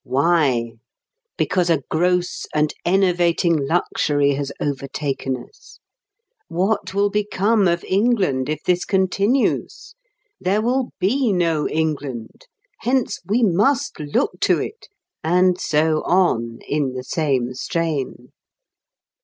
Why? Because a gross and enervating luxury has overtaken us. What will become of England if this continues? There will be no England! Hence we must look to it! And so on, in the same strain.